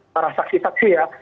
para saksi saksi ya